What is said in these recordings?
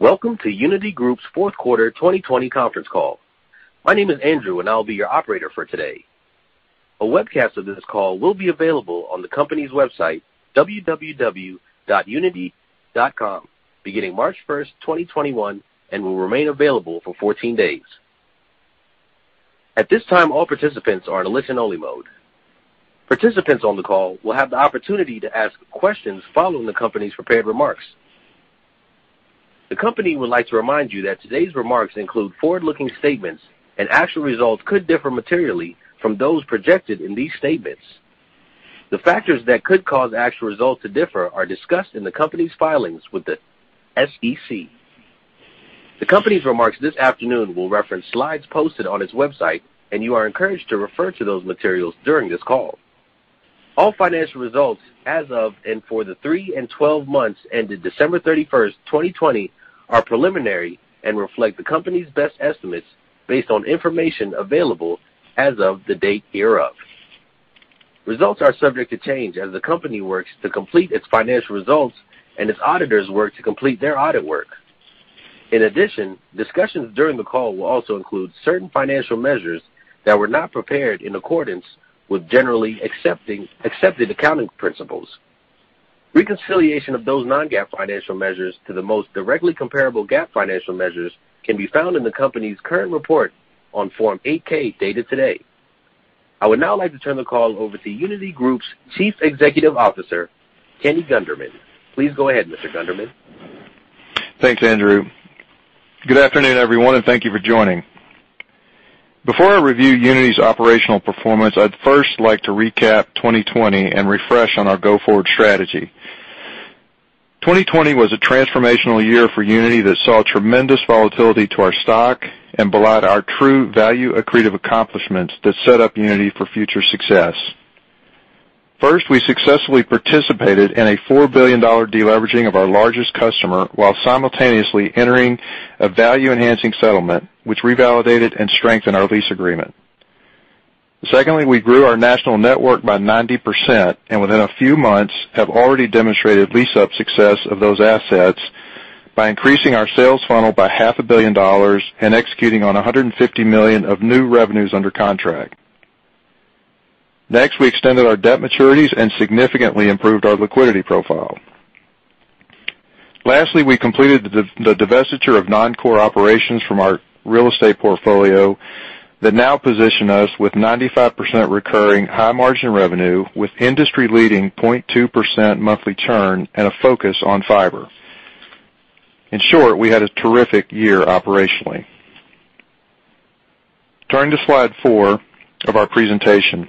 Welcome to Uniti Group's fourth quarter 2020 conference call. My name is Andrew, and I'll be your operator for today. A webcast of this call will be available on the company's website, www.uniti.com, beginning March 1st, 2021 and will remain available for 14 days. At this time, all participants are in listen-only mode. Participants on the call will have the opportunity to ask questions following the company's prepared remarks. The company would like to remind you that today's remarks include forward-looking statements, and actual results could differ materially from those projected in these statements. The factors that could cause actual results to differ are discussed in the company's filings with the SEC. The company's remarks this afternoon will reference slides posted on its website, and you are encouraged to refer to those materials during this call. All financial results as of and for the three and 12 months ended December 31st, 2020 are preliminary and reflect the company's best estimates based on information available as of the date hereof. Results are subject to change as the company works to complete its financial results and its auditors work to complete their audit work. In addition, discussions during the call will also include certain financial measures that were not prepared in accordance with Generally Accepted Accounting Principles. Reconciliation of those non-GAAP financial measures to the most directly comparable GAAP financial measures can be found in the company's current report on Form 8-K, dated today. I would now like to turn the call over to Uniti Group's Chief Executive Officer, Kenny Gunderman. Please go ahead, Mr. Gunderman. Thanks, Andrew. Good afternoon, everyone, and thank you for joining. Before I review Uniti's operational performance, I'd first like to recap 2020 and refresh on our go-forward strategy. 2020 was a transformational year for Uniti that saw tremendous volatility to our stock and belied our true value accretive accomplishments that set up Uniti for future success. First, we successfully participated in a $4 billion de-leveraging of our largest customer while simultaneously entering a value-enhancing settlement, which revalidated and strengthened our lease agreement. Secondly, we grew our national network by 90% and within a few months have already demonstrated lease-up success of those assets by increasing our sales funnel by $500 million dollars and executing on $150 million of new revenues under contract. Next, we extended our debt maturities and significantly improved our liquidity profile. Lastly, we completed the divestiture of non-core operations from our real estate portfolio that now position us with 95% recurring high-margin revenue with industry-leading 0.2% monthly churn and a focus on fiber. In short, we had a terrific year operationally. Turning to slide four of our presentation.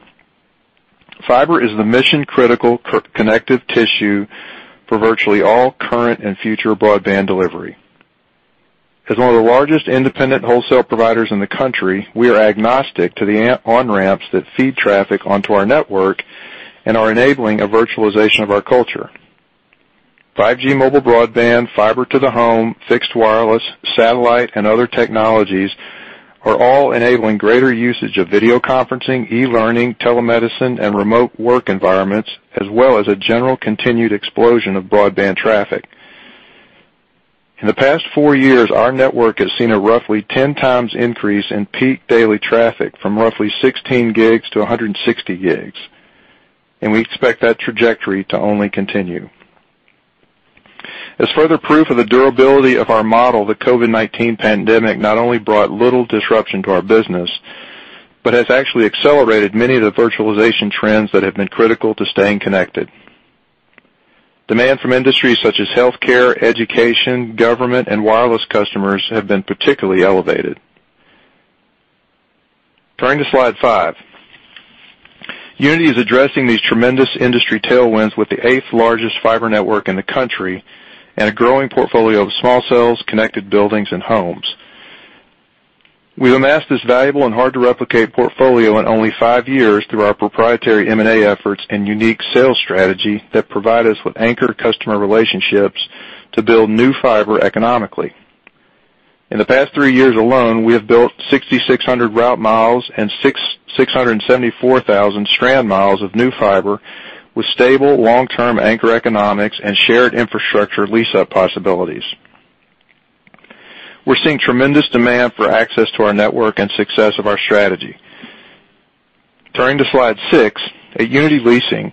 Fiber is the mission-critical connective tissue for virtually all current and future broadband delivery. As one of the largest independent wholesale providers in the country, we are agnostic to the on-ramps that feed traffic onto our network and are enabling a virtualization of our culture. 5G mobile broadband, Fiber to the Home, fixed wireless, satellite, and other technologies are all enabling greater usage of video conferencing, e-learning, telemedicine, and remote work environments, as well as a general continued explosion of broadband traffic. In the past four years, our network has seen a roughly 10 times increase in peak daily traffic from roughly 16 gigs-160 gigs, and we expect that trajectory to only continue. As further proof of the durability of our model, the COVID-19 pandemic not only brought little disruption to our business, but has actually accelerated many of the virtualization trends that have been critical to staying connected. Demand from industries such as healthcare, education, government, and wireless customers have been particularly elevated. Turning to slide five. Uniti is addressing these tremendous industry tailwinds with the eighth-largest fiber network in the country and a growing portfolio of small cells, connected buildings, and homes. We've amassed this valuable and hard-to-replicate portfolio in only five years through our proprietary M&A efforts and unique sales strategy that provide us with anchor customer relationships to build new fiber economically. In the past three years alone, we have built 6,600 route mi and 674,000 strand mi of new fiber with stable long-term anchor economics and shared infrastructure lease-up possibilities. We're seeing tremendous demand for access to our network and success of our strategy. Turning to slide six. At Uniti Leasing,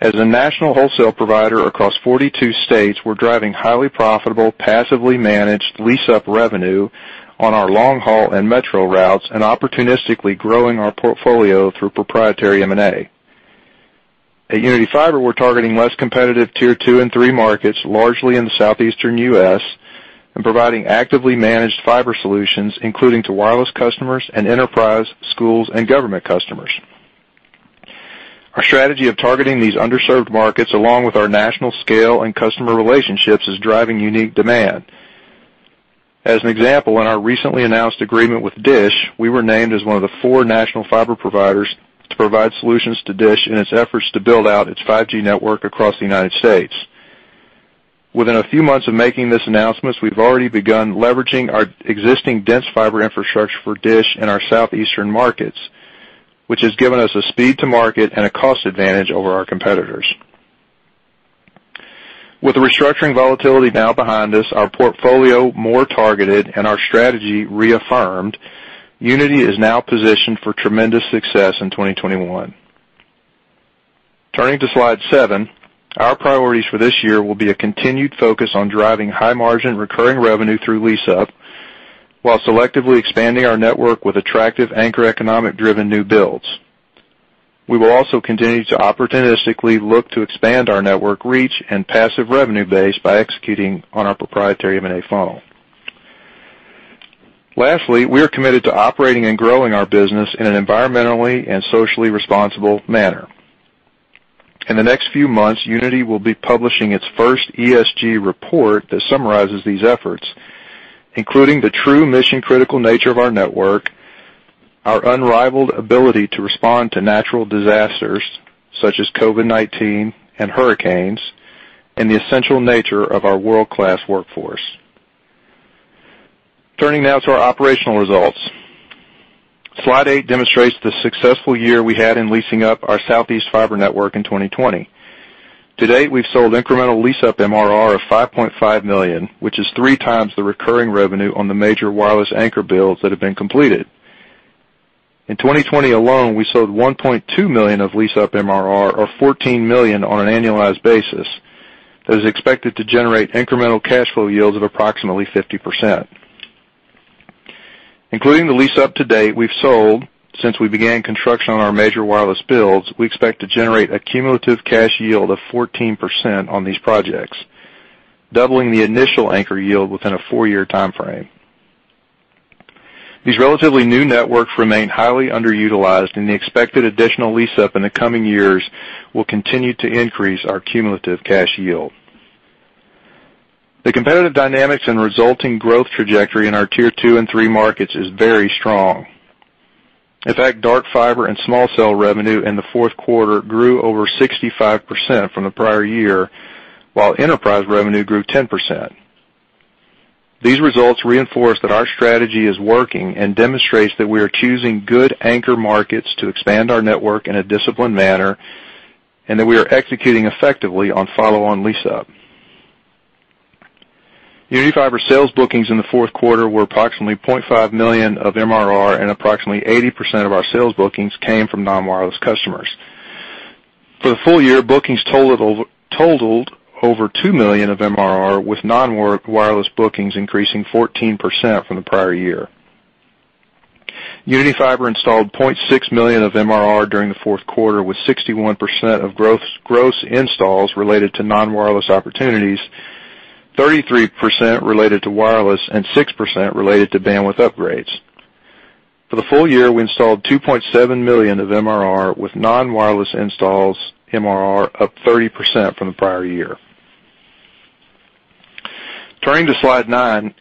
as a national wholesale provider across 42 states, we're driving highly profitable, passively managed lease-up revenue on our long-haul and metro routes and opportunistically growing our portfolio through proprietary M&A. At Uniti Fiber, we're targeting less competitive Tier Two and Three markets, largely in the Southeastern U.S., and providing actively managed fiber solutions, including to wireless customers and enterprise, schools, and government customers. Our strategy of targeting these underserved markets, along with our national scale and customer relationships, is driving unique demand. As an example, in our recently announced agreement with DISH, we were named as one of the four national fiber providers to provide solutions to DISH in its efforts to build out its 5G network across the U.S. Within a few months of making this announcement, we've already begun leveraging our existing dense fiber infrastructure for DISH in our Southeastern markets, which has given us a speed to market and a cost advantage over our competitors. With the restructuring volatility now behind us, our portfolio more targeted, and our strategy reaffirmed, Uniti is now positioned for tremendous success in 2021. Turning to slide seven, our priorities for this year will be a continued focus on driving high margin, recurring revenue through lease-up, while selectively expanding our network with attractive anchor economic driven new builds. We will also continue to opportunistically look to expand our network reach and passive revenue base by executing on our proprietary M&A funnel. Lastly, we are committed to operating and growing our business in an environmentally and socially responsible manner. In the next few months, Uniti will be publishing its first ESG report that summarizes these efforts, including the true mission-critical nature of our network, our unrivaled ability to respond to natural disasters such as COVID-19 and hurricanes, and the essential nature of our world-class workforce. Turning now to our operational results. Slide eight demonstrates the successful year we had in leasing up our Southeast fiber network in 2020. To date, we've sold incremental lease-up MRR of $5.5 million, which is three times the recurring revenue on the major wireless anchor builds that have been completed. In 2020 alone, we sold $1.2 million of lease-up MRR, or $14 million on an annualized basis, that is expected to generate incremental cash flow yields of approximately 50%. Including the lease-up to date we've sold since we began construction on our major wireless builds, we expect to generate a cumulative cash yield of 14% on these projects, doubling the initial anchor yield within a four-year timeframe. These relatively new networks remain highly underutilized, and the expected additional lease-up in the coming years will continue to increase our cumulative cash yield. The competitive dynamics and resulting growth trajectory in our Tier Two and Three markets is very strong. In fact, dark fiber and small cell revenue in the fourth quarter grew over 65% from the prior year, while enterprise revenue grew 10%. These results reinforce that our strategy is working and demonstrates that we are choosing good anchor markets to expand our network in a disciplined manner, and that we are executing effectively on follow-on lease-up. Uniti Fiber sales bookings in the fourth quarter were approximately $0.5 million of MRR and approximately 80% of our sales bookings came from non-wireless customers. For the full year, bookings totaled over $2 million of MRR, with non-wireless bookings increasing 14% from the prior year. Uniti Fiber installed $0.6 million of MRR during the fourth quarter, with 61% of gross installs related to non-wireless opportunities, 33% related to wireless, and 6% related to bandwidth upgrades. For the full year, we installed $2.7 million of MRR, with non-wireless installs MRR up 30% from the prior year. Turning to slide nine.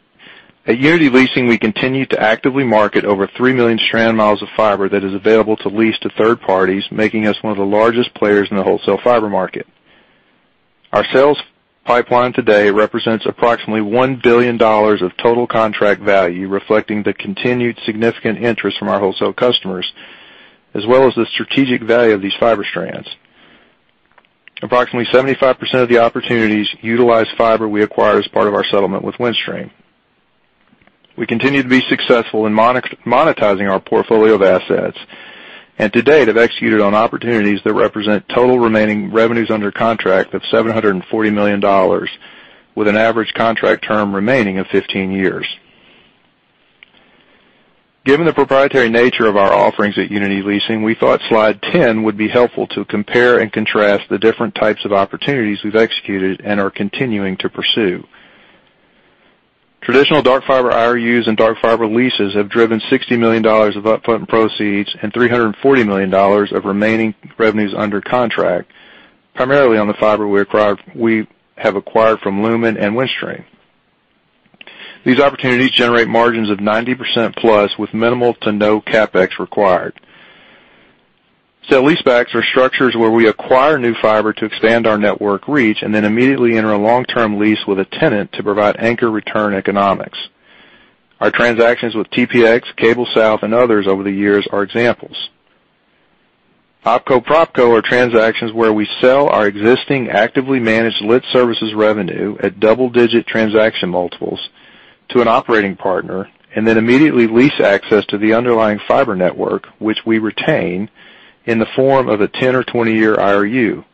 At Uniti Leasing, we continue to actively market over 3 million strand mi of fiber that is available to lease to third parties, making us one of the largest players in the wholesale fiber market. Our sales pipeline today represents approximately $1 billion of total contract value, reflecting the continued significant interest from our wholesale customers, as well as the strategic value of these fiber strands. Approximately 75% of the opportunities utilize fiber we acquired as part of our settlement with Windstream. We continue to be successful in monetizing our portfolio of assets and to date have executed on opportunities that represent total remaining revenues under contract of $740 million, with an average contract term remaining of 15 years. Given the proprietary nature of our offerings at Uniti Leasing, we thought slide 10 would be helpful to compare and contrast the different types of opportunities we've executed and are continuing to pursue. Traditional dark fiber IRUs and dark fiber leases have driven $60 million of upfront proceeds and $340 million of remaining revenues under contract, primarily on the fiber we have acquired from Lumen and Windstream. These opportunities generate margins of 90% plus, with minimal to no CapEx required. Sale leasebacks are structures where we acquire new fiber to expand our network reach, and then immediately enter a long-term lease with a tenant to provide anchor return economics. Our transactions with TPx, CableSouth, and others over the years are examples. OpCo/PropCo are transactions where we sell our existing actively managed lit services revenue at double-digit transaction multiples to an operating partner, and then immediately lease access to the underlying fiber network, which we retain, in the form of a 10 or 20-year IRU.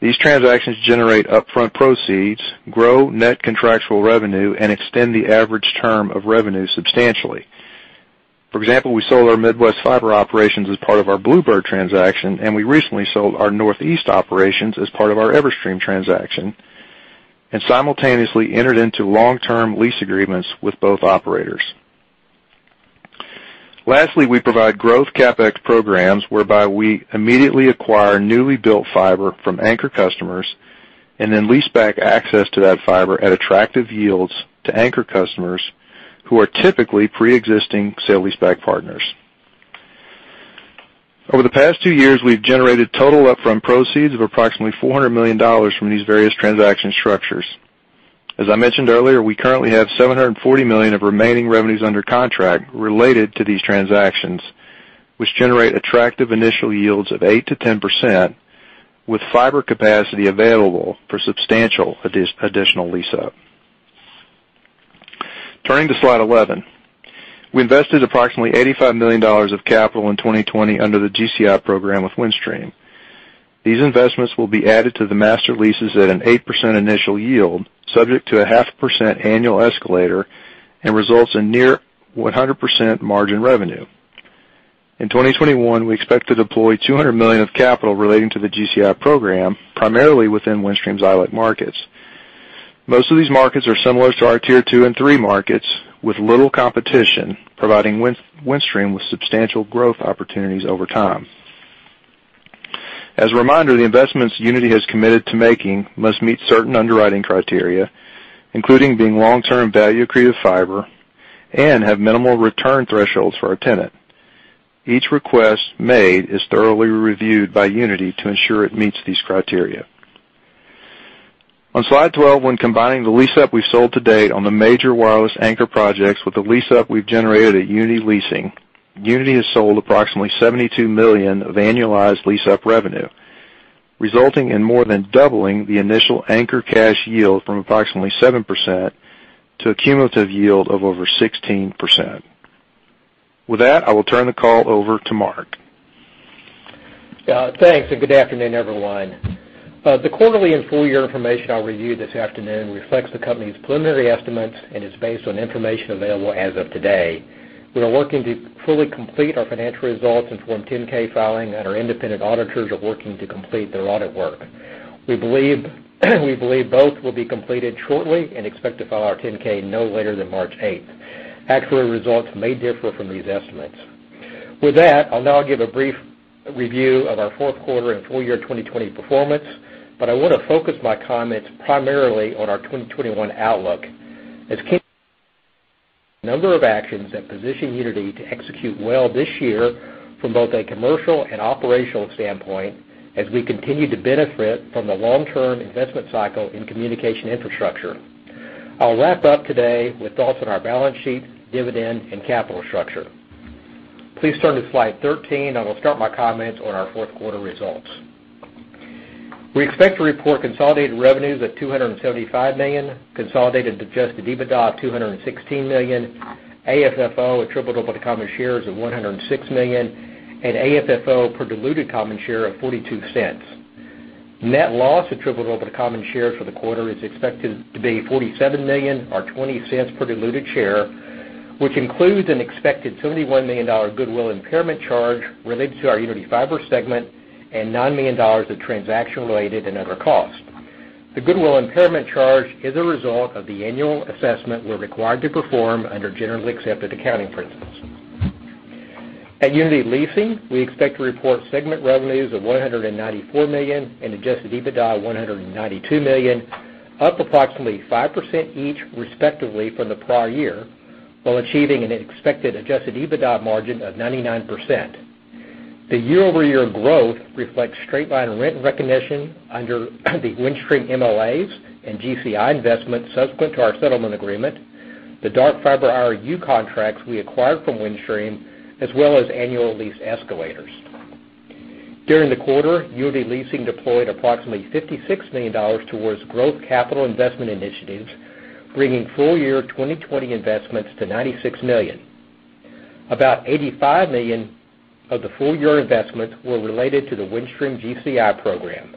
These transactions generate upfront proceeds, grow net contractual revenue, and extend the average term of revenue substantially. For example, we sold our Midwest fiber operations as part of our Bluebird transaction, and we recently sold our Northeast operations as part of our Everstream transaction, and simultaneously entered into long-term lease agreements with both operators. Lastly, we provide growth CapEx programs whereby we immediately acquire newly built fiber from anchor customers and then lease back access to that fiber at attractive yields to anchor customers who are typically preexisting sale leaseback partners. Over the past two years, we've generated total upfront proceeds of approximately $400 million from these various transaction structures. As I mentioned earlier, we currently have $740 million of remaining revenues under contract related to these transactions, which generate attractive initial yields of 8%-10%, with fiber capacity available for substantial additional lease-up. Turning to slide 11. We invested approximately $85 million of capital in 2020 under the GCI Program with Windstream. These investments will be added to the master leases at an 8% initial yield, subject to a 0.5% annual escalator, and results in near 100% margin revenue. In 2021, we expect to deploy $200 million of capital relating to the GCI Program, primarily within Windstream's ILEC markets. Most of these markets are similar to our Tier Two and Three markets, with little competition, providing Windstream with substantial growth opportunities over time. As a reminder, the investments Uniti has committed to making must meet certain underwriting criteria, including being long-term value accretive fiber and have minimal return thresholds for our tenant. Each request made is thoroughly reviewed by Uniti to ensure it meets these criteria. On slide 12, when combining the lease-up we sold to date on the major wireless anchor projects with the lease-up we've generated at Uniti Leasing, Uniti has sold approximately $72 million of annualized lease-up revenue, resulting in more than doubling the initial anchor cash yield from approximately 7% to a cumulative yield of over 16%. With that, I will turn the call over to Mark. Yeah. Thanks. Good afternoon, everyone. The quarterly and full year information I'll review this afternoon reflects the company's preliminary estimates and is based on information available as of today. We are working to fully complete our financial results and Form 10-K filing, and our independent auditors are working to complete their audit work. We believe both will be completed shortly and expect to file our 10-K no later than March 8th. Actual results may differ from these estimates. With that, I'll now give a brief review of our fourth quarter and full year 2020 performance, but I want to focus my comments primarily on our 2021 outlook. As Kenny. Number of actions that position Uniti to execute well this year from both a commercial and operational standpoint, as we continue to benefit from the long-term investment cycle in communication infrastructure. I'll wrap up today with thoughts on our balance sheet, dividend, and capital structure. Please turn to slide 13. I'll start my comments on our fourth quarter results. We expect to report consolidated revenues of $275 million, consolidated adjusted EBITDA of $216 million, AFFO attributable to common shares of $106 million, and AFFO per diluted common share of $0.42. Net loss attributable to the common shares for the quarter is expected to be $47 million or $0.20 per diluted share, which includes an expected $71 million goodwill impairment charge related to our Uniti Fiber segment and $9 million of transaction-related and other costs. The goodwill impairment charge is a result of the annual assessment we're required to perform under Generally Accepted Accounting Principles. At Uniti Leasing, we expect to report segment revenues of $194 million and adjusted EBITDA of $192 million, up approximately 5% each respectively from the prior year, while achieving an expected adjusted EBITDA margin of 99%. The year-over-year growth reflects straight line rent recognition under the Windstream MLAs and GCI investments subsequent to our settlement agreement, the dark fiber IRU contracts we acquired from Windstream, as well as annual lease escalators. During the quarter, Uniti Leasing deployed approximately $56 million towards growth capital investment initiatives, bringing full year 2020 investments to $96 million. About $85 million of the full-year investments were related to the Windstream GCI program.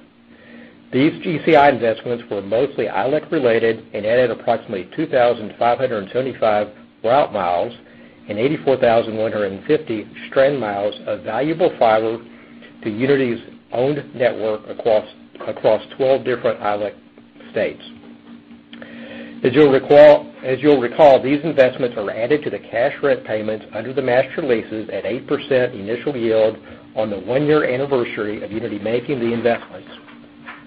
These GCI investments were mostly ILEC related and added approximately 2,575 route mi and 84,150 strand mi of valuable fiber to Uniti's owned network across 12 different ILEC states. As you'll recall, these investments are added to the cash rent payments under the master leases at 8% initial yield on the one-year anniversary of Uniti making the investments,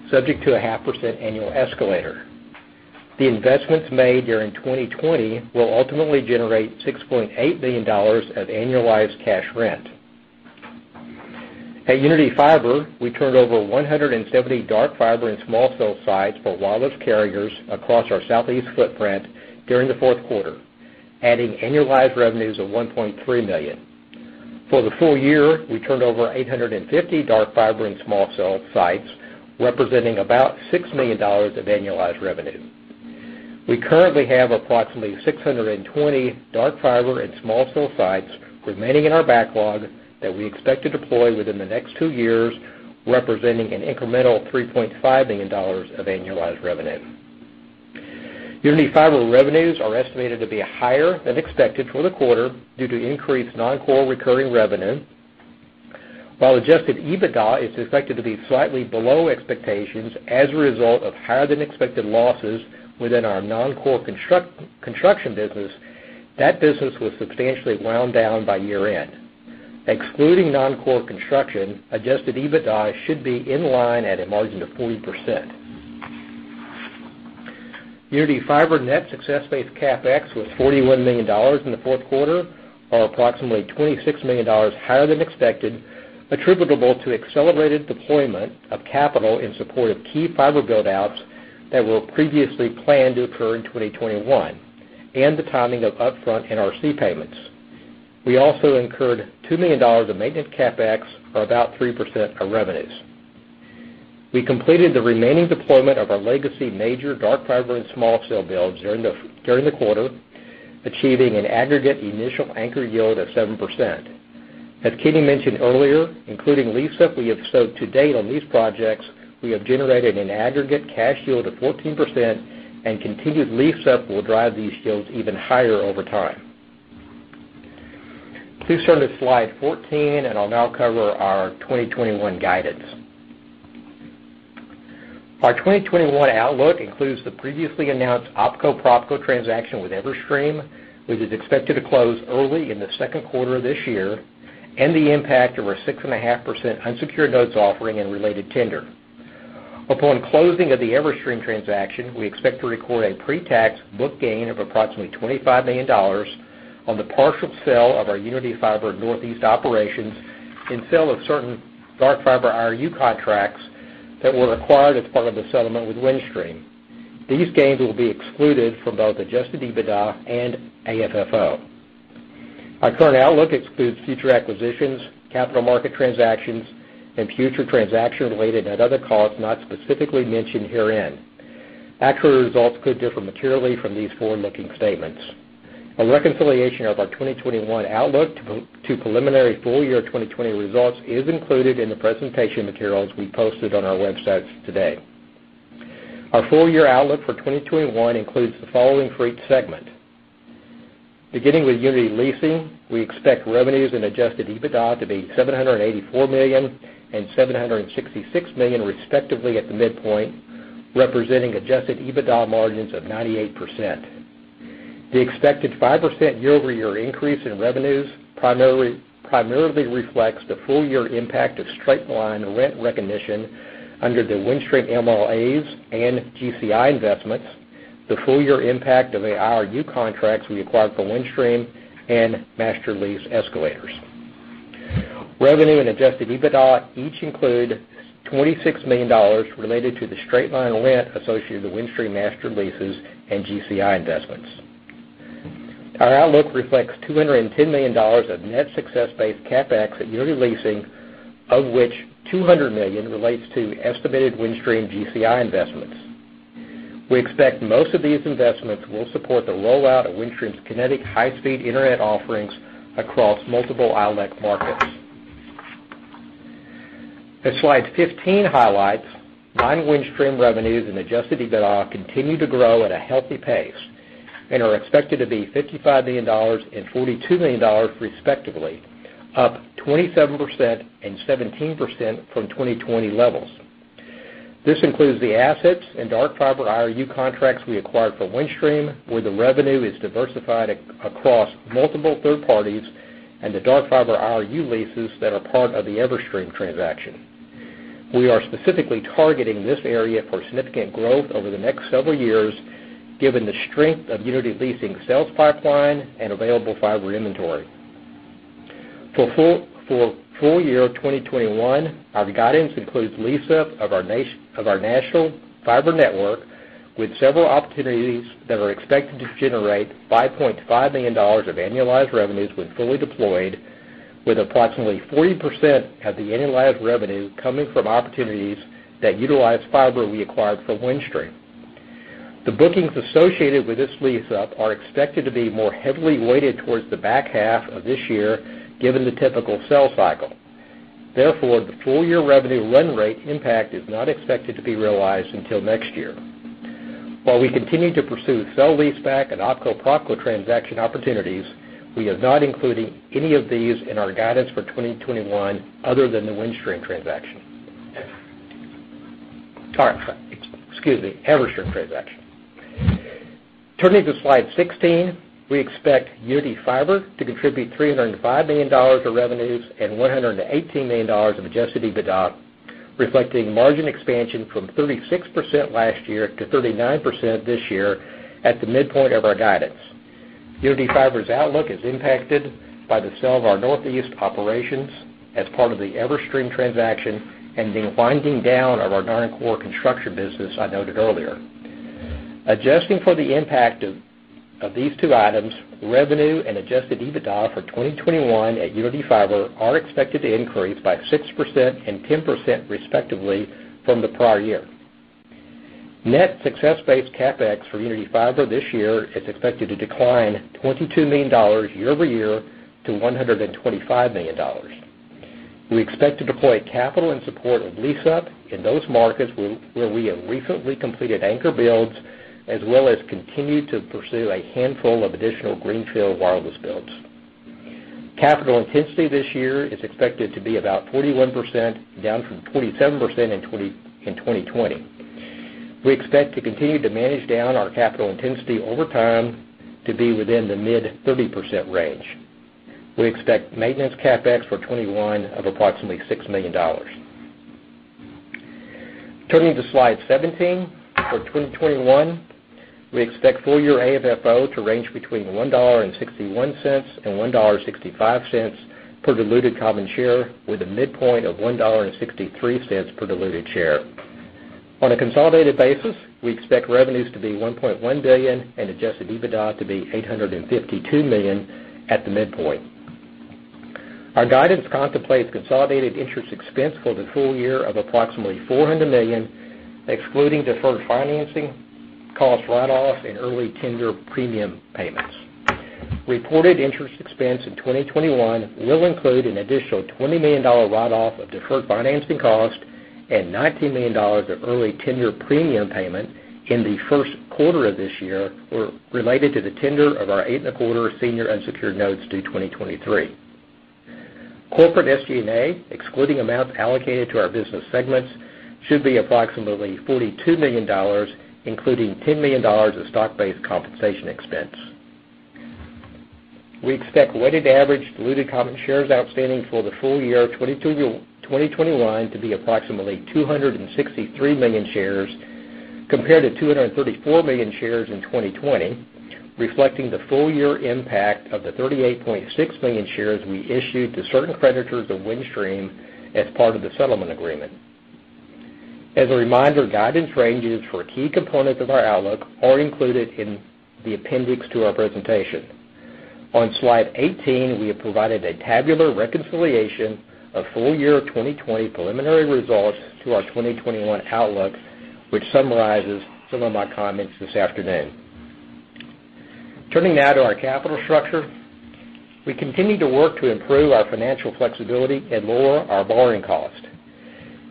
subject to a 0.5% annual escalator. The investments made during 2020 will ultimately generate $6.8 million of annualized cash rent. At Uniti Fiber, we turned over 170 dark fiber and small cell sites for wireless carriers across our Southeast footprint during the fourth quarter, adding annualized revenues of $1.3 million. For the full year, we turned over 850 dark fiber and small cell sites, representing about $6 million of annualized revenue. We currently have approximately 620 dark fiber and small cell sites remaining in our backlog that we expect to deploy within the next two years, representing an incremental $3.5 million of annualized revenue. Uniti Fiber revenues are estimated to be higher than expected for the quarter due to increased non-core recurring revenue. While adjusted EBITDA is expected to be slightly below expectations as a result of higher-than-expected losses within our non-core construction business, that business was substantially wound down by year end. Excluding non-core construction, adjusted EBITDA should be in line at a margin of 40%. Uniti Fiber net success-based CapEx was $41 million in the fourth quarter, or approximately $26 million higher than expected. Attributable to accelerated deployment of capital in support of key fiber build-outs that were previously planned to occur in 2021, and the timing of upfront NRC payments. We also incurred $2 million of maintenance CapEx or about 3% of revenues. We completed the remaining deployment of our legacy major dark fiber and small cell builds during the quarter, achieving an aggregate initial anchor yield of 7%. As Kenny mentioned earlier, including lease-up, to date on these projects, we have generated an aggregate cash yield of 14% and continued lease-up will drive these yields even higher over time. Please turn to slide 14, and I'll now cover our 2021 guidance. Our 2021 outlook includes the previously announced OpCo/PropCo transaction with Everstream, which is expected to close early in the second quarter of this year, and the impact of our 6.5% unsecured notes offering and related tender. Upon closing of the Everstream transaction, we expect to record a pre-tax book gain of approximately $25 million on the partial sale of our Uniti Fiber Northeast operations and sale of certain dark fiber IRU contracts that were acquired as part of the settlement with Windstream. These gains will be excluded from both adjusted EBITDA and AFFO. Our current outlook excludes future acquisitions, capital market transactions, and future transaction-related and other costs not specifically mentioned herein. Actual results could differ materially from these forward-looking statements. A reconciliation of our 2021 outlook to preliminary full-year 2020 results is included in the presentation materials we posted on our websites today. Our full-year outlook for 2021 includes the following for each segment. Beginning with Uniti Leasing, we expect revenues and adjusted EBITDA to be $784 million and $766 million respectively at the midpoint, representing adjusted EBITDA margins of 98%. The expected 5% year-over-year increase in revenues primarily reflects the full-year impact of straight-line rent recognition under the Windstream MLAs and GCI investments, the full-year impact of IRU contracts we acquired from Windstream, and master lease escalators. Revenue and adjusted EBITDA each include $26 million related to the straight-line rent associated with Windstream master leases and GCI investments. Our outlook reflects $210 million of net success-based CapEx at Uniti Leasing, of which $200 million relates to estimated Windstream GCI investments. We expect most of these investments will support the rollout of Windstream's Kinetic high-speed internet offerings across multiple ILEC markets. As slide 15 highlights, non-Windstream revenues and adjusted EBITDA continue to grow at a healthy pace and are expected to be $55 million and $42 million respectively, up 27% and 17% from 2020 levels. This includes the assets and dark fiber IRU contracts we acquired from Windstream, where the revenue is diversified across multiple third parties, and the dark fiber IRU leases that are part of the Everstream transaction. We are specifically targeting this area for significant growth over the next several years, given the strength of Uniti Leasing sales pipeline and available fiber inventory. For full year 2021, our guidance includes lease-up of our national fiber network with several opportunities that are expected to generate $5.5 million of annualized revenues when fully deployed, with approximately 40% of the annualized revenue coming from opportunities that utilize fiber we acquired from Windstream. The bookings associated with this lease-up are expected to be more heavily weighted towards the back half of this year, given the typical sell cycle. Therefore, the full-year revenue run rate impact is not expected to be realized until next year. While we continue to pursue sell/lease back and OpCo/PropCo transaction opportunities, we are not including any of these in our guidance for 2021 other than the Windstream transaction. Excuse me, Everstream transaction. Turning to slide 16, we expect Uniti Fiber to contribute $305 million of revenues and $118 million of adjusted EBITDA, reflecting margin expansion from 36% last year to 39% this year at the midpoint of our guidance. Uniti Fiber's outlook is impacted by the sale of our Northeast operations as part of the Everstream transaction and the winding down of our non-core construction business I noted earlier. Adjusting for the impact of these two items, revenue and adjusted EBITDA for 2021 at Uniti Fiber are expected to increase by 6% and 10% respectively from the prior year. Net success-based CapEx for Uniti Fiber this year is expected to decline $22 million year-over-year to $125 million. We expect to deploy capital in support of lease-up in those markets where we have recently completed anchor builds, as well as continue to pursue a handful of additional greenfield wireless builds. Capital intensity this year is expected to be about 41%, down from 27% in 2020. We expect to continue to manage down our capital intensity over time to be within the mid-30% range. We expect maintenance CapEx for 2021 of approximately $6 million. Turning to slide 17 for 2021, we expect full year AFFO to range between $1.61 and $1.65 per diluted common share, with a midpoint of $1.63 per diluted share. On a consolidated basis, we expect revenues to be $1.1 billion and adjusted EBITDA to be $852 million at the midpoint. Our guidance contemplates consolidated interest expense for the full year of approximately $400 million, excluding deferred financing, cost write-offs, and early tender premium payments. Reported interest expense in 2021 will include an additional $20 million write-off of deferred financing cost and $19 million of early tender premium payment in the first quarter of this year were related to the tender of our 8.25% senior unsecured notes due 2023. Corporate SG&A, excluding amounts allocated to our business segments, should be approximately $42 million, including $10 million of stock-based compensation expense. We expect weighted average diluted common shares outstanding for the full year 2021 to be approximately 263 million shares compared to 234 million shares in 2020, reflecting the full-year impact of the 38.6 million shares we issued to certain creditors of Windstream as part of the settlement agreement. As a reminder, guidance ranges for key components of our outlook are included in the appendix to our presentation. On slide 18, we have provided a tabular reconciliation of full-year 2020 preliminary results to our 2021 outlook, which summarizes some of my comments this afternoon. Turning now to our capital structure. We continue to work to improve our financial flexibility and lower our borrowing cost.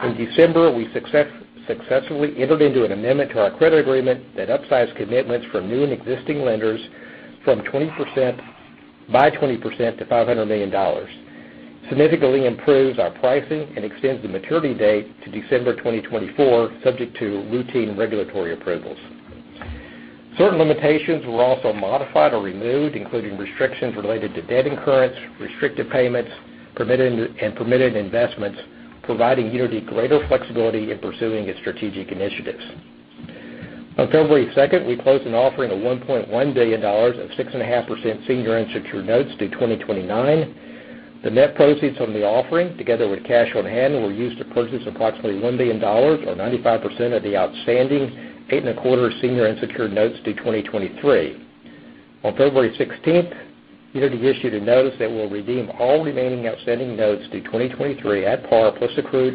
In December, we successfully entered into an amendment to our credit agreement that upsized commitments from new and existing lenders by 20% to $500 million, significantly improves our pricing, and extends the maturity date to December 2024, subject to routine regulatory approvals. Certain limitations were also modified or removed, including restrictions related to debt incurrence, restricted payments, and permitted investments, providing Uniti greater flexibility in pursuing its strategic initiatives. On February 2nd, we closed an offering of $1.1 billion of 6.5% senior unsecured notes due 2029. The net proceeds from the offering, together with cash on hand, were used to purchase approximately $1 billion, or 95% of the outstanding 8.25% senior unsecured notes due 2023. On February 16th, Uniti issued a notice that we'll redeem all remaining outstanding notes due 2023 at par, plus accrued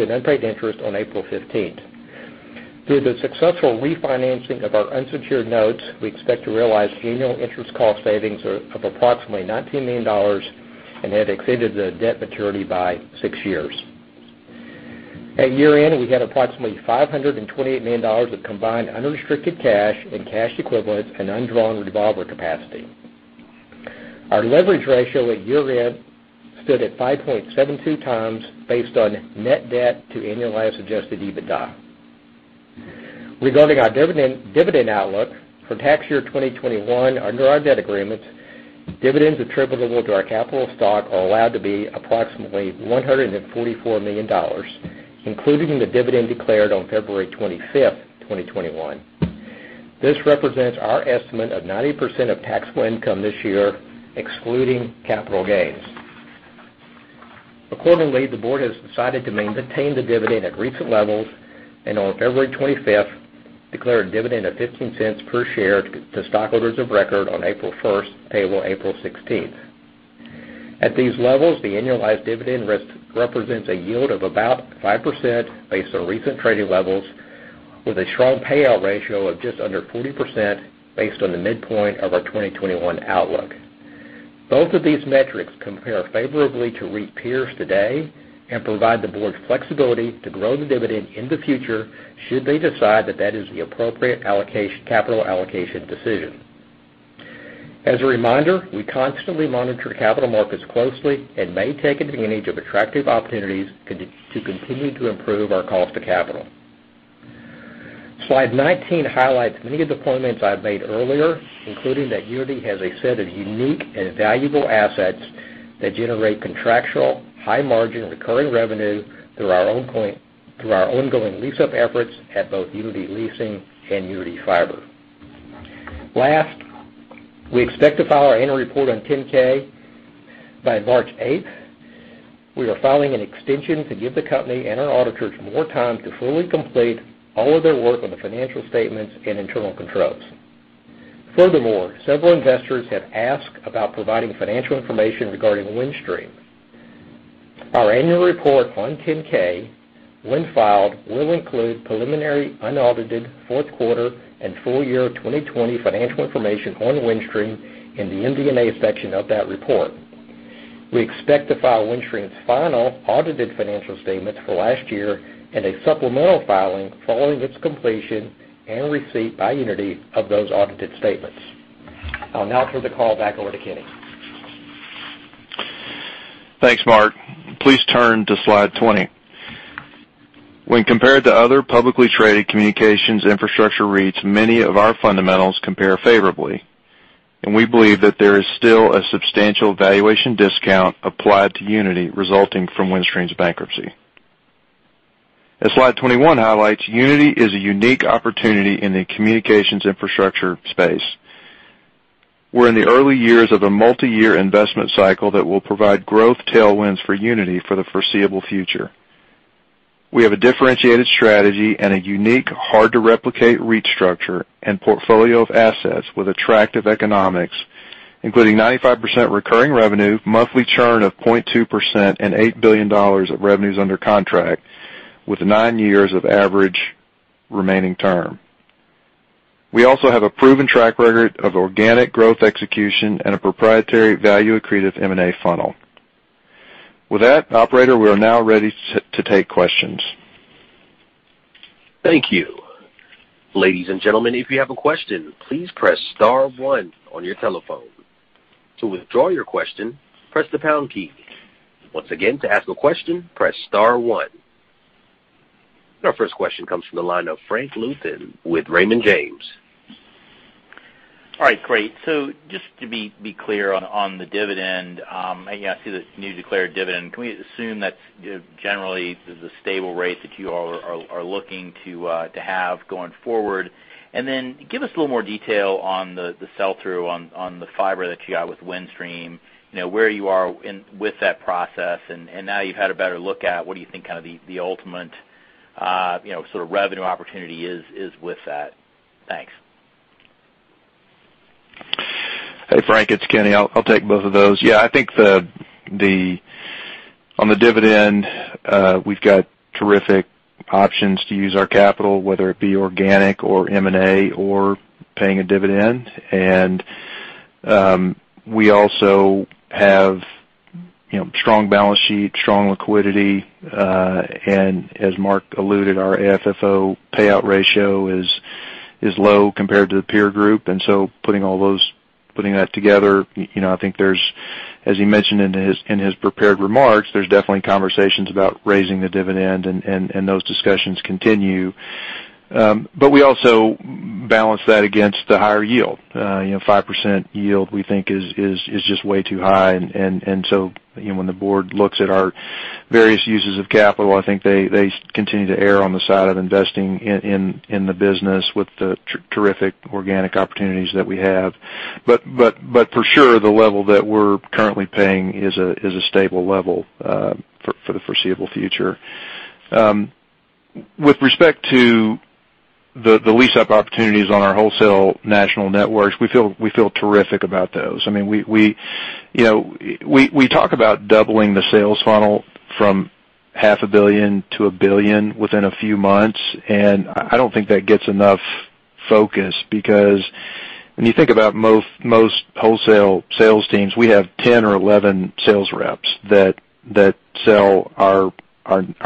and unpaid interest on April 15th. Through the successful refinancing of our unsecured notes, we expect to realize annual interest cost savings of approximately $19 million and have extended the debt maturity by six years. At year-end, we had approximately $528 million of combined unrestricted cash and cash equivalents and undrawn revolver capacity. Our leverage ratio at year-end stood at 5.72 times, based on net debt to annualized adjusted EBITDA. Regarding our dividend outlook, for tax year 2021, under our debt agreements, dividends attributable to our capital stock are allowed to be approximately $144 million, including the dividend declared on February 25th, 2021. This represents our estimate of 90% of taxable income this year, excluding capital gains. Accordingly, the board has decided to maintain the dividend at recent levels, and on February 25th, declared a dividend of $0.15 per share to stockholders of record on April 1st, payable April 16th. At these levels, the annualized dividend represents a yield of about 5% based on recent trading levels, with a strong payout ratio of just under 40% based on the midpoint of our 2021 outlook. Both of these metrics compare favorably to REIT peers today and provide the board flexibility to grow the dividend in the future should they decide that that is the appropriate capital allocation decision. As a reminder, we constantly monitor capital markets closely and may take advantage of attractive opportunities to continue to improve our cost of capital. Slide 19 highlights many of the points I've made earlier, including that Uniti has a set of unique and valuable assets that generate contractual, high margin, recurring revenue through our ongoing lease-up efforts at both Uniti Leasing and Uniti Fiber. Last, we expect to file our annual report on 10-K by March 8th. We are filing an extension to give the company and our auditors more time to fully complete all of their work on the financial statements and internal controls. Furthermore, several investors have asked about providing financial information regarding Windstream. Our annual report on 10-K, when filed, will include preliminary, unaudited fourth quarter and full year 2020 financial information on Windstream in the MD&A section of that report. We expect to file Windstream's final audited financial statements for last year and a supplemental filing following its completion and receipt by Uniti of those audited statements. I'll now turn the call back over to Kenny. Thanks, Mark. Please turn to slide 20. When compared to other publicly traded communications infrastructure REITs, many of our fundamentals compare favorably. We believe that there is still a substantial valuation discount applied to Uniti resulting from Windstream's bankruptcy. As slide 21 highlights, Uniti is a unique opportunity in the communications infrastructure space. We're in the early years of a multi-year investment cycle that will provide growth tailwinds for Uniti for the foreseeable future. We have a differentiated strategy and a unique, hard-to-replicate REIT structure and portfolio of assets with attractive economics, including 95% recurring revenue, monthly churn of 0.2%, and $8 billion of revenues under contract, with nine years of average remaining term. We also have a proven track record of organic growth execution and a proprietary value-accretive M&A funnel. With that, operator, we are now ready to take questions. Thank you. Ladies and gentlemen, if you have a question, please press star one on your telephone. To withdraw your question, press the pound key. Once again, to ask a question, press star one. Our first question comes from the line of Frank Louthan with Raymond James. All right, great. Just to be clear on the dividend, I see this new declared dividend. Can we assume that generally, this is a stable rate that you all are looking to have going forward? Then give us a little more detail on the sell-through on the fiber that you got with Windstream, where you are with that process, and now that you've had a better look at it, what do you think the ultimate sort of revenue opportunity is with that? Thanks. Hey, Frank, it's Kenny. I'll take both of those. Yeah, I think on the dividend, we've got terrific options to use our capital, whether it be organic or M&A or paying a dividend. We also have strong balance sheet, strong liquidity, and as Mark alluded, our AFFO payout ratio is low compared to the peer group. Putting that together, I think as he mentioned in his prepared remarks, there's definitely conversations about raising the dividend, and those discussions continue. We also balance that against the higher yield. 5% yield we think is just way too high, and so when the board looks at our various uses of capital, I think they continue to err on the side of investing in the business with the terrific organic opportunities that we have. For sure, the level that we're currently paying is a stable level for the foreseeable future. With respect to the lease-up opportunities on our wholesale national networks, we feel terrific about those. I mean we talk about doubling the sales funnel from $500 million-$1 billion within a few months, and I don't think that gets enough focus because when you think about most wholesale sales teams, we have 10 or 11 sales reps that sell our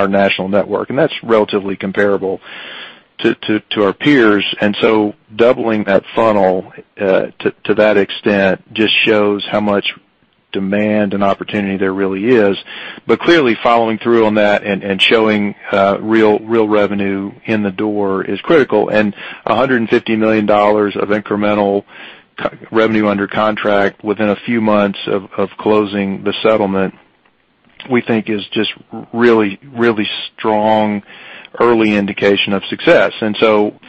national network, and that's relatively comparable to our peers. Doubling that funnel to that extent just shows how much demand and opportunity there really is. Clearly, following through on that and showing real revenue in the door is critical. $150 million of incremental revenue under contract within a few months of closing the settlement, we think is just a really, really strong early indication of success.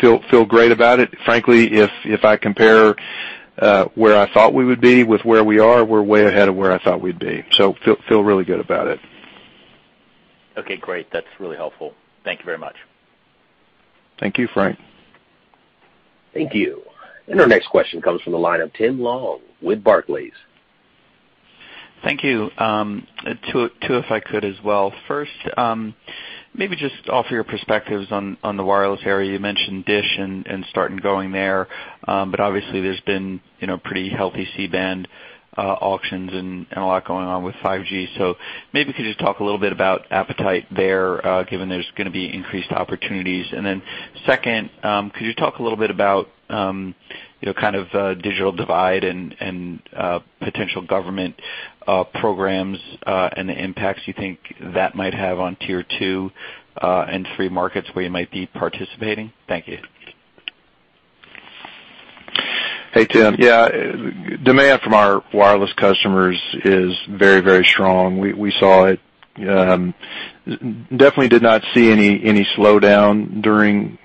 Feel great about it. Frankly, if I compare where I thought we would be with where we are, we're way ahead of where I thought we'd be. Feel really good about it. Okay, great. That's really helpful. Thank you very much. Thank you, Frank. Thank you. Our next question comes from the line of Tim Long with Barclays. Thank you. Two if I could as well. First, maybe just offer your perspectives on the wireless area. You mentioned DISH and starting going there. Obviously there's been pretty healthy C-band auctions and a lot going on with 5G. Maybe could you just talk a little bit about appetite there, given there's going to be increased opportunities? Second, could you talk a little bit about kind of digital divide and potential government programs and the impacts you think that might have on Tier Two and Three markets where you might be participating? Thank you. Hey, Tim. Yeah. Demand from our wireless customers is very strong. We definitely did not see any slowdown during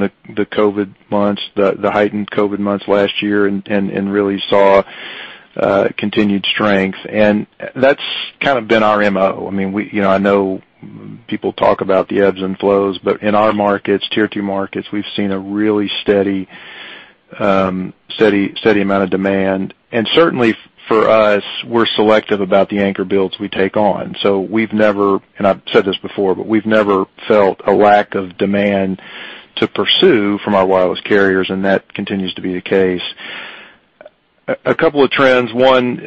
the COVID months, the heightened COVID months last year, really saw continued strength. That's kind of been our MO. I know people talk about the ebbs and flows, but in our markets, Tier Two markets, we've seen a really steady amount of demand. Certainly for us, we're selective about the anchor builds we take on. We've never, I've said this before, but we've never felt a lack of demand to pursue from our wireless carriers, that continues to be the case. A couple of trends. One,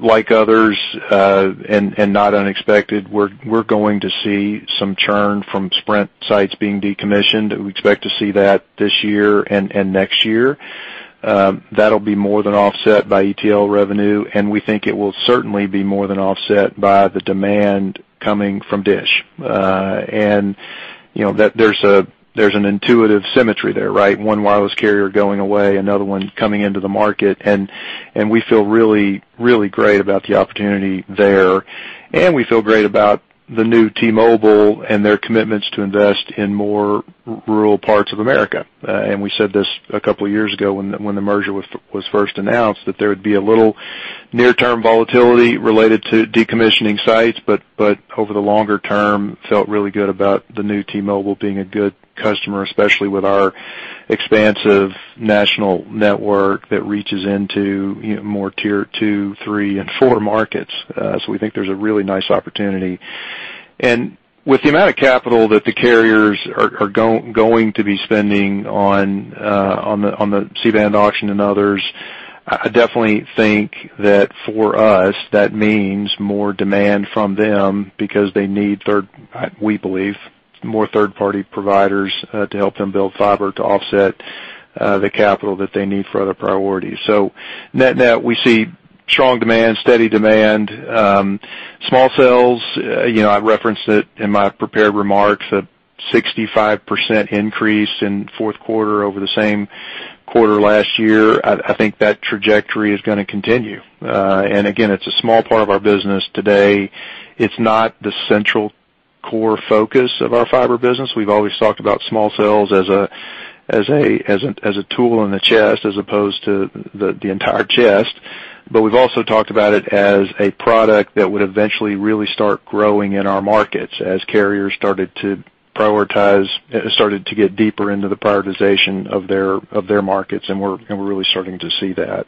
like others, not unexpected, we're going to see some churn from Sprint sites being decommissioned. We expect to see that this year and next year. That'll be more than offset by ETL revenue, and we think it will certainly be more than offset by the demand coming from DISH. There's an intuitive symmetry there, right? One wireless carrier going away, another one coming into the market, and we feel really, really great about the opportunity there, and we feel great about the new T-Mobile and their commitments to invest in more rural parts of America. We said this a couple of years ago when the merger was first announced, that there would be a little near-term volatility related to decommissioning sites, but over the longer term, felt really good about the new T-Mobile being a good customer, especially with our expansive national network that reaches into more Tier Two, Three, and Four markets. We think there's a really nice opportunity. With the amount of capital that the carriers are going to be spending on the C-band auction and others, I definitely think that for us, that means more demand from them because they need, we believe, more third-party providers to help them build fiber to offset the capital that they need for other priorities. Net, we see strong demand, steady demand. Small cells, I referenced it in my prepared remarks, a 65% increase in the fourth quarter over the same quarter last year. I think that trajectory is going to continue. Again, it's a small part of our business today. It's not the central core focus of our fiber business. We've always talked about small cells as a tool in the chest as opposed to the entire chest. We've also talked about it as a product that would eventually really start growing in our markets as carriers started to get deeper into the prioritization of their markets, and we're really starting to see that.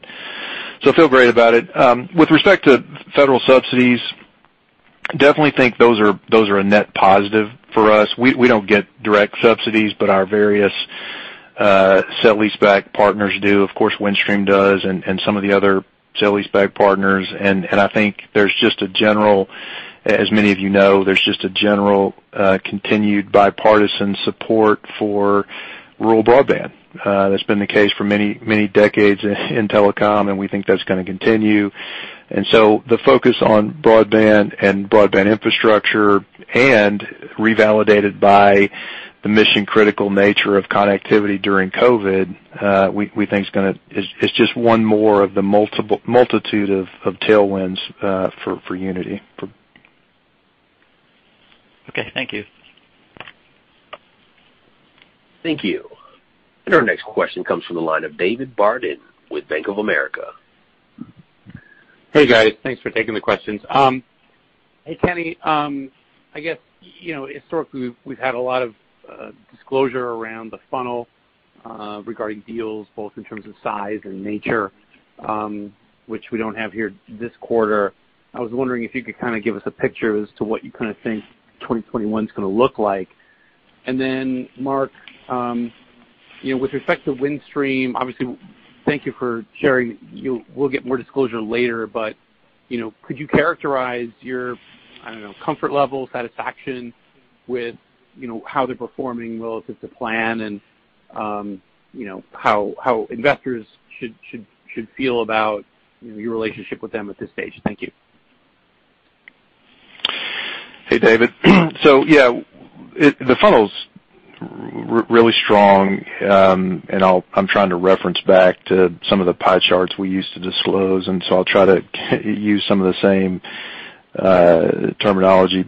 I feel great about it. With respect to federal subsidies, definitely think those are a net positive for us. We don't get direct subsidies, but our various cell leaseback partners do. Of course, Windstream does, and some of the other cell leaseback partners, and I think, as many of you know, there's just a general continued bipartisan support for rural broadband. That's been the case for many decades in telecom, and we think that's going to continue. The focus on broadband and broadband infrastructure and revalidated by the mission-critical nature of connectivity during COVID, we think is just one more of the multitude of tailwinds for Uniti. Okay. Thank you. Thank you. Our next question comes from the line of David Barden with Bank of America. Hey, guys. Thanks for taking the questions. Hey, Kenny. I guess historically, we've had a lot of disclosure around the funnel regarding deals, both in terms of size and nature, which we don't have here this quarter. I was wondering if you could give us a picture as to what you think 2021's going to look like. Then Mark, with respect to Windstream, obviously, thank you for sharing. We'll get more disclosure later, but could you characterize your, I don't know, comfort level, satisfaction with how they're performing relative to plan and how investors should feel about your relationship with them at this stage? Thank you. Hey, David. Yeah, the funnel's really strong, and I'm trying to reference back to some of the pie charts we used to disclose, I'll try to use some of the same terminology.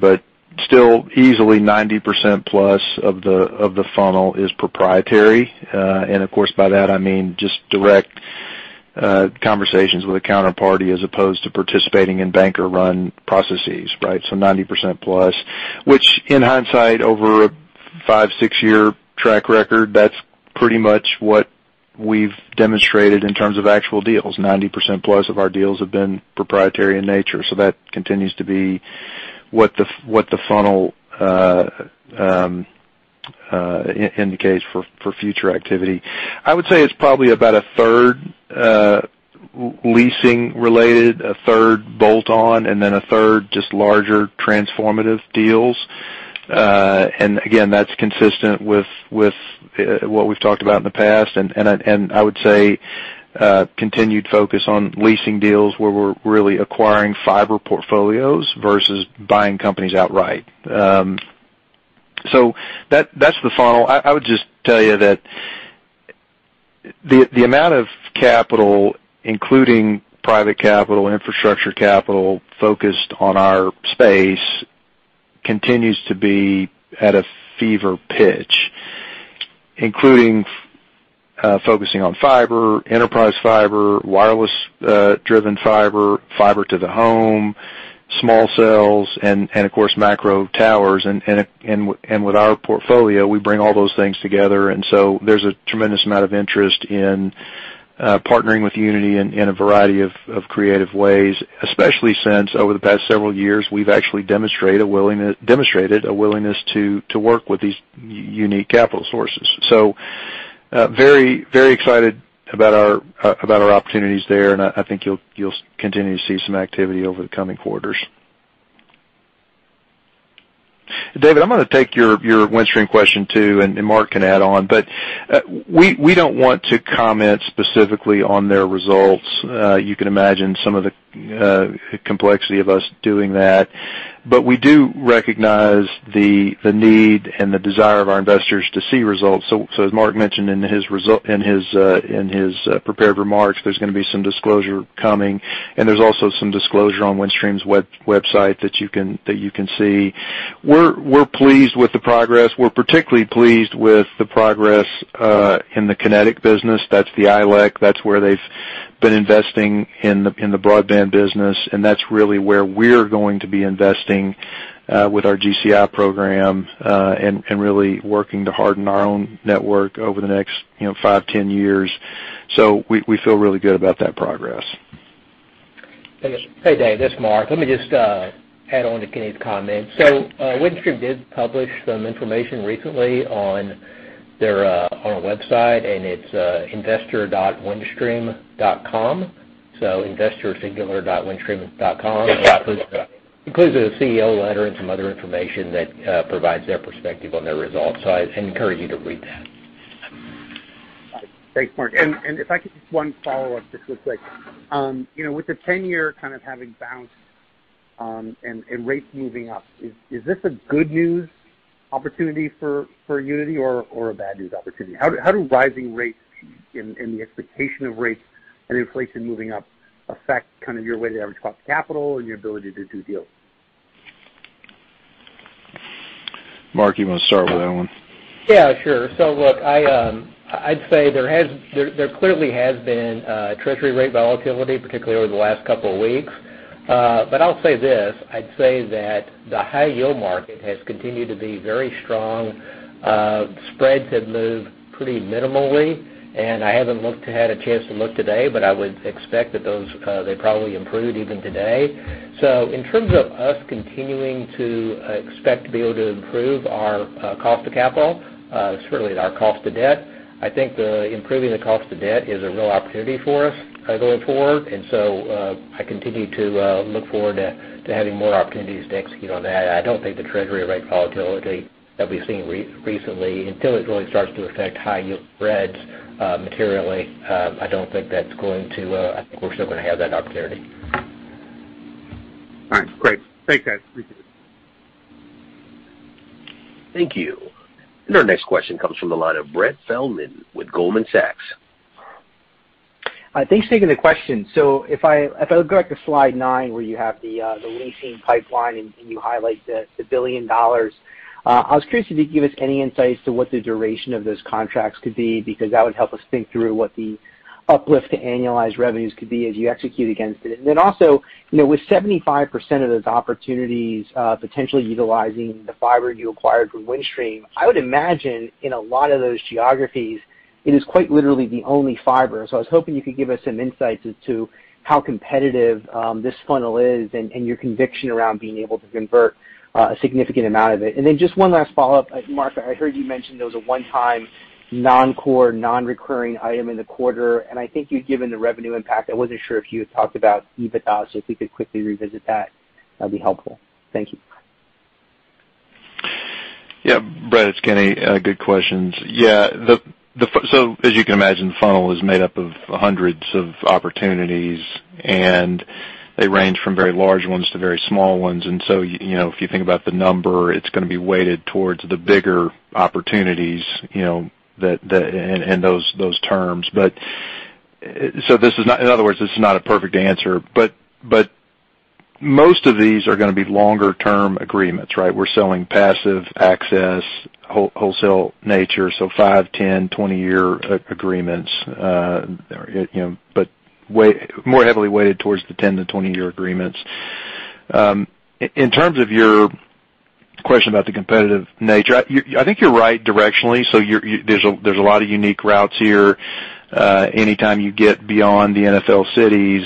Still, easily 90%+ of the funnel is proprietary. Of course, by that, I mean just direct conversations with a counterparty as opposed to participating in banker-run processes, right? 90%+, which in hindsight, over a five, six-year track record, that's pretty much what we've demonstrated in terms of actual deals. 90%+ of our deals have been proprietary in nature, so that continues to be what the funnel indicates for future activity. I would say it's probably about a third leasing related, a third bolt on, and then a third just larger transformative deals. Again, that's consistent with what we've talked about in the past and I would say, continued focus on leasing deals where we're really acquiring fiber portfolios versus buying companies outright. That's the funnel. I would just tell you that the amount of capital, including private capital, infrastructure capital, focused on our space continues to be at a fever pitch, including focusing on fiber, enterprise fiber, wireless-driven fiber, Fiber to the Home, small cells, and of course, macro towers. With our portfolio, we bring all those things together, there's a tremendous amount of interest in partnering with Uniti in a variety of creative ways, especially since over the past several years, we've actually demonstrated a willingness to work with these unique capital sources. Very excited about our opportunities there, and I think you'll continue to see some activity over the coming quarters. David, I'm going to take your Windstream question, too, and then Mark can add on. We don't want to comment specifically on their results. You can imagine some of the complexity of us doing that. We do recognize the need and the desire of our investors to see results. As Mark mentioned in his prepared remarks, there's going to be some disclosure coming, and there's also some disclosure on Windstream's website that you can see. We're pleased with the progress. We're particularly pleased with the progress in the Kinetic business. That's the ILEC. That's where they've been investing in the broadband business, and that's really where we're going to be investing with our GCI program and really working to harden our own network over the next five, 10 years. We feel really good about that progress. Hey, Dave, this is Mark. Let me just add on to Kenny's comments. Windstream did publish some information recently on our website, and it's investor.windstream.com. investor, singular, .windstream.com. Yeah. It includes a CEO letter and some other information that provides their perspective on their results. I encourage you to read that. Thanks, Mark. If I could, just one follow-up, just real quick. With the 10-year kind of having bounced and rates moving up, is this a good news opportunity for Uniti or a bad news opportunity? How do rising rates and the expectation of rates and inflation moving up affect your weighted average cost of capital and your ability to do deals? Mark, you want to start with that one? Yeah, sure. Look, I'd say there clearly has been treasury rate volatility, particularly over the last couple of weeks. I'll say this, I'd say that the high yield market has continued to be very strong. Spreads have moved pretty minimally, and I haven't had a chance to look today, but I would expect that they probably improved even today. In terms of us continuing to expect to be able to improve our cost of capital, certainly our cost of debt, I think improving the cost of debt is a real opportunity for us going forward. I continue to look forward to having more opportunities to execute on that. I don't think the treasury rate volatility that we've seen recently, until it really starts to affect high yield spreads materially, I don't think we're still going to have that opportunity. All right, great. Thanks, guys. Appreciate it. Thank you. Our next question comes from the line of Brett Feldman with Goldman Sachs. Thanks for taking the question. If I go back to slide nine where you have the leasing pipeline and you highlight the $1 billion, I was curious if you could give us any insights to what the duration of those contracts could be, because that would help us think through what the uplift to annualized revenues could be as you execute against it. Then also, with 75% of those opportunities potentially utilizing the fiber you acquired from Windstream, I would imagine in a lot of those geographies, it is quite literally the only fiber. I was hoping you could give us some insights as to how competitive this funnel is and your conviction around being able to convert a significant amount of it. Just one last follow-up. Mark, I heard you mention there was a one-time, non-core, non-recurring item in the quarter, and I think you'd given the revenue impact. I wasn't sure if you had talked about EBITDA, so if we could quickly revisit that'd be helpful. Thank you. Yeah, Brett, it's Kenny. Good questions. Yeah. As you can imagine, the funnel is made up of hundreds of opportunities, and they range from very large ones to very small ones. If you think about the number, it's going to be weighted towards the bigger opportunities and those terms. In other words, this is not a perfect answer, but most of these are going to be longer-term agreements, right? We're selling passive access, wholesale nature, so five, 10, 20-year agreements, but more heavily weighted towards the 10-20-year agreements. In terms of your question about the competitive nature, I think you're right directionally. There's a lot of unique routes here. Anytime you get beyond the NFL cities,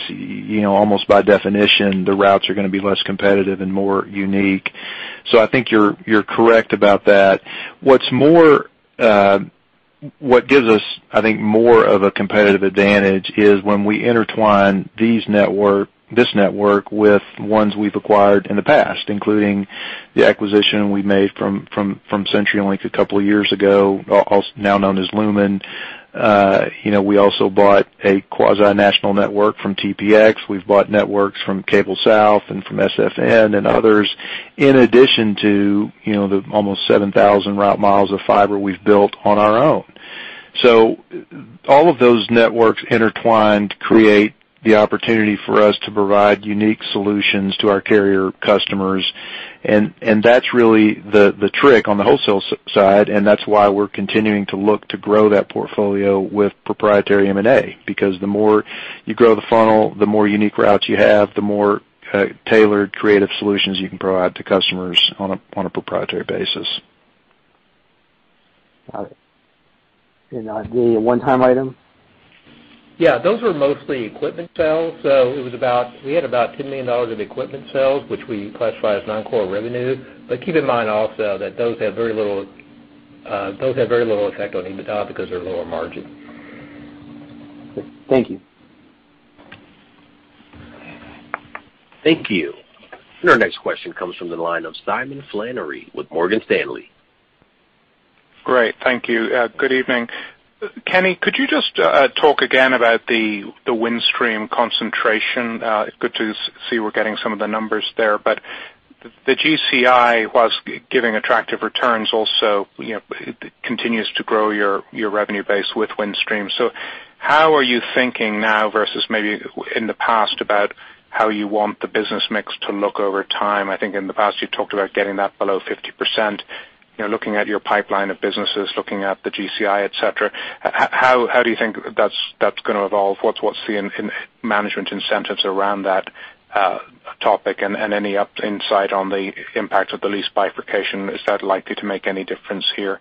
almost by definition, the routes are going to be less competitive and more unique. I think you're correct about that. What gives us, I think, more of a competitive advantage is when we intertwine this network with ones we've acquired in the past, including the acquisition we made from CenturyLink a couple of years ago, now known as Lumen. We also bought a quasi-national network from TPx. We've bought networks from CableSouth and from SFN and others. In addition to the almost 7,000 route mi of fiber we've built on our own. All of those networks intertwined create the opportunity for us to provide unique solutions to our carrier customers, and that's really the trick on the wholesale side, and that's why we're continuing to look to grow that portfolio with proprietary M&A. The more you grow the funnel, the more unique routes you have, the more tailored creative solutions you can provide to customers on a proprietary basis. Got it. The one-time item? Yeah, those were mostly equipment sales. We had about $10 million of equipment sales, which we classify as non-core revenue. Keep in mind also that those have very little effect on EBITDA because they're lower margin. Thank you. Thank you. Our next question comes from the line of Simon Flannery with Morgan Stanley. Great. Thank you. Good evening. Kenny, could you just talk again about the Windstream concentration? Good to see we're getting some of the numbers there, but the GCI was giving attractive returns also. It continues to grow your revenue base with Windstream. How are you thinking now versus maybe in the past about how you want the business mix to look over time? I think in the past you talked about getting that below 50%. Looking at your pipeline of businesses, looking at the GCI, et cetera, how do you think that's going to evolve? What's the management incentives around that topic, and any insight on the impact of the lease bifurcation? Is that likely to make any difference here?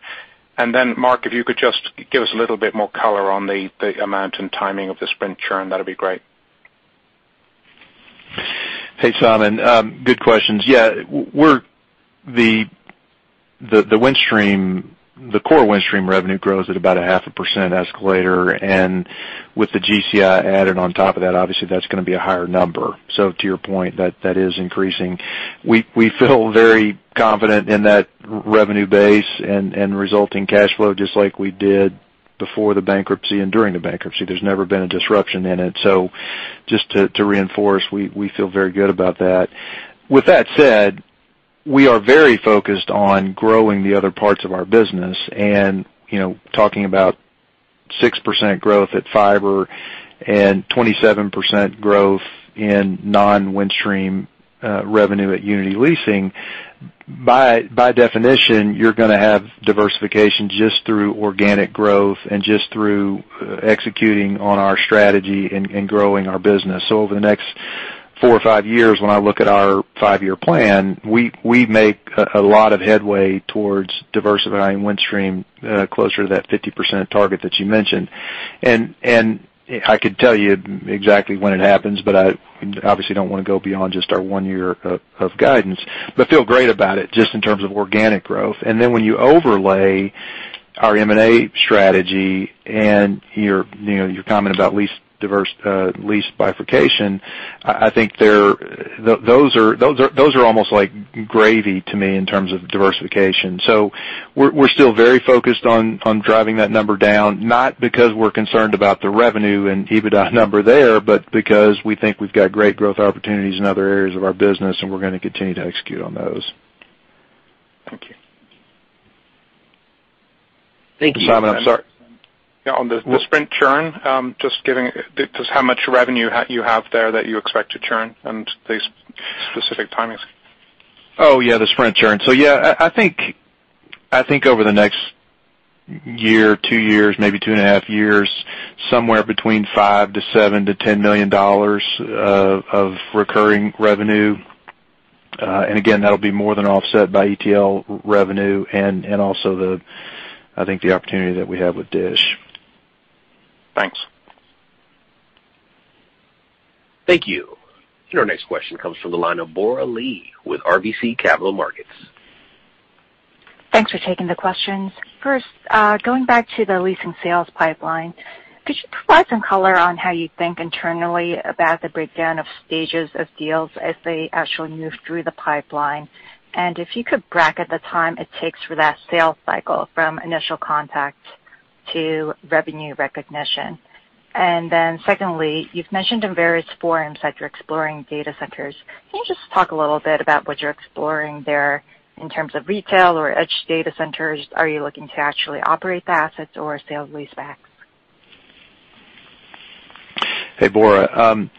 Then Mark, if you could just give us a little bit more color on the amount and timing of the Sprint churn, that'd be great. Hey, Simon. Good questions. Yeah, the core Windstream revenue grows at about a 0.5% escalator, and with the GCI added on top of that, obviously that's going to be a higher number. To your point, that is increasing. We feel very confident in that revenue base and resulting cash flow, just like we did before the bankruptcy and during the bankruptcy. There's never been a disruption in it. Just to reinforce, we feel very good about that. With that said, we are very focused on growing the other parts of our business, talking about 6% growth at fiber and 27% growth in non-Windstream revenue at Uniti Leasing. By definition, you're going to have diversification just through organic growth and just through executing on our strategy and growing our business. Over the next four or five years, when I look at our five-year plan, we make a lot of headway towards diversifying Windstream, closer to that 50% target that you mentioned. I could tell you exactly when it happens, but I obviously don't want to go beyond just our one year of guidance, but feel great about it just in terms of organic growth. Then when you overlay our M&A strategy and your comment about lease bifurcation, I think those are almost like gravy to me in terms of diversification. We're still very focused on driving that number down, not because we're concerned about the revenue and EBITDA number there, but because we think we've got great growth opportunities in other areas of our business, and we're going to continue to execute on those. Thank you. Thanks, Simon. I'm sorry. Yeah. On the Sprint churn, just how much revenue you have there that you expect to churn and the specific timings? Oh, yeah. The Sprint churn. Yeah, I think over the next year, two years, maybe 2.5 years, somewhere between $5 million-$7 million-$10 million of recurring revenue. Again, that'll be more than offset by ETL revenue and also I think the opportunity that we have with DISH. Thanks. Thank you. Our next question comes from the line of Bora Lee with RBC Capital Markets. Thanks for taking the questions. First, going back to the leasing sales pipeline, could you provide some color on how you think internally about the breakdown of stages of deals as they actually move through the pipeline? If you could bracket the time it takes for that sales cycle from initial contact to revenue recognition. Then secondly, you've mentioned in various forums that you're exploring data centers. Can you just talk a little bit about what you're exploring there in terms of retail or edge data centers? Are you looking to actually operate the assets or sale-leasebacks? Hey, Bora.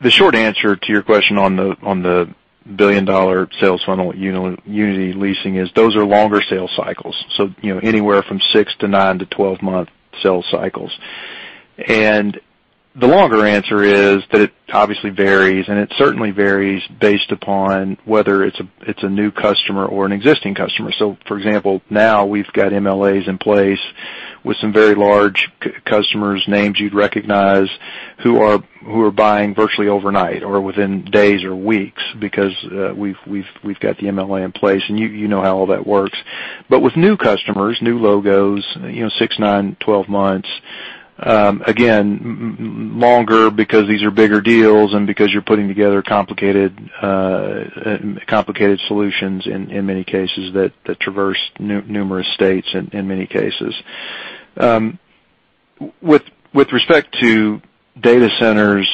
The short answer to your question on the billion-dollar sales funnel at Uniti Leasing is those are longer sales cycles, so anywhere from 6-9-12-month sales cycles. The longer answer is that it obviously varies, and it certainly varies based upon whether it's a new customer or an existing customer. For example, now we've got MLAs in place with some very large customers, names you'd recognize, who are buying virtually overnight or within days or weeks because we've got the MLA in place, and you know how all that works. With new customers, new logos, six, nine, 12 months. Again, longer because these are bigger deals and because you're putting together complicated solutions in many cases that traverse numerous states in many cases. With respect to data centers,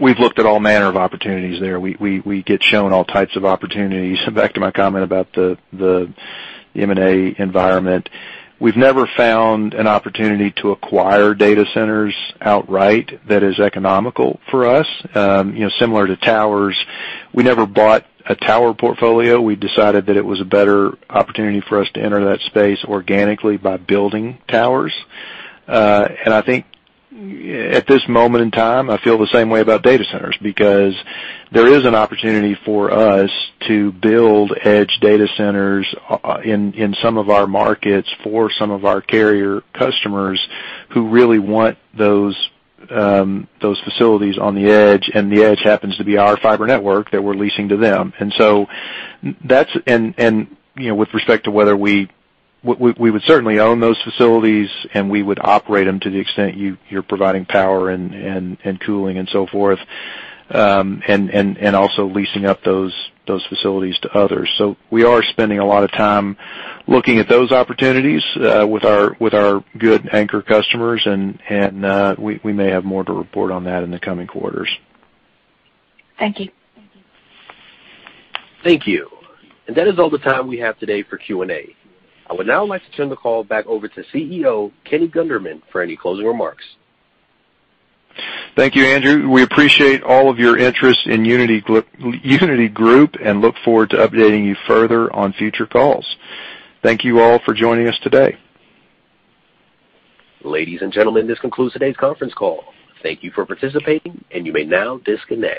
we've looked at all manner of opportunities there. We get shown all types of opportunities. Back to my comment about the M&A environment. We've never found an opportunity to acquire data centers outright that is economical for us. Similar to towers, we never bought a tower portfolio. We decided that it was a better opportunity for us to enter that space organically by building towers. I think at this moment in time, I feel the same way about data centers because there is an opportunity for us to build edge data centers in some of our markets for some of our carrier customers who really want those facilities on the edge, and the edge happens to be our fiber network that we're leasing to them. With respect to whether we would certainly own those facilities, and we would operate them to the extent you're providing power and cooling and so forth, and also leasing up those facilities to others. We are spending a lot of time looking at those opportunities with our good anchor customers, and we may have more to report on that in the coming quarters. Thank you. Thank you. That is all the time we have today for Q&A. I would now like to turn the call back over to CEO Kenny Gunderman for any closing remarks. Thank you, Andrew. We appreciate all of your interest in Uniti Group and look forward to updating you further on future calls. Thank you all for joining us today. Ladies and gentlemen, this concludes today's conference call. Thank you for participating, and you may now disconnect.